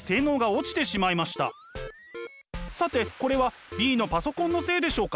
さてこれはＢのパソコンのせいでしょうか？